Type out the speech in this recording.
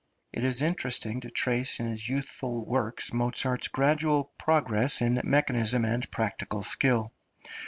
It is interesting to trace in his youthful works Mozart's {MOZART'S SYMPHONIES.} (297) gradual progress in mechanism and practical skill.